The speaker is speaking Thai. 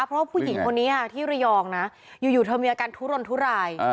เพราะว่าผู้หญิงคนนี้ค่ะที่ระยองนะอยู่เธอมีอาการทุรนทุราย